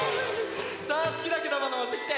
さあすきなくだものもってきて！